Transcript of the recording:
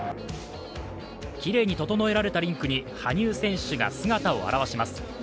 きれいに整えられたリンクに羽生選手が姿を現します。